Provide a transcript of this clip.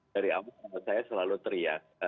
dari awal saya selalu teriak